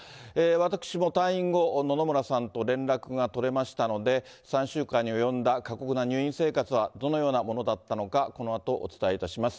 私も退院後、野々村さんと連絡が取れましたので、３週間に及んだ過酷な入院生活はどのようなものだったのか、このあとお伝えいたします。